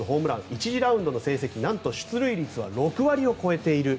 １次ラウンドの成績、なんと出塁率は６割を超えている。